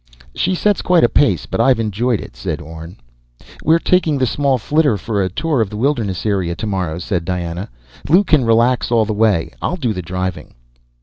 "She sets quite a pace, but I've enjoyed it," said Orne. "We're taking the small flitter for a tour of the wilderness area tomorrow," said Diana. "Lew can relax all the way. I'll do the driving."